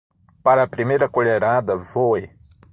Para a primeira colherada, voe.